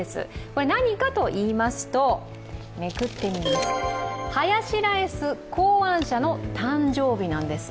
これは何かといいますと、ハヤシライス考案者の誕生日なんです。